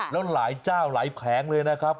แล้วหลายเจ้าหลายแผงเลยนะครับ